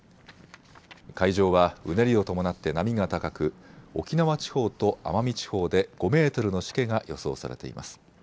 海上はうねりを伴って波が高く沖縄地方と奄美地方で５メートルのしけが予想されています。